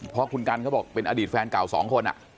เพราะคุณกันก็บอกเป็นอดีตแฟนเก่า๒คนอ่ะ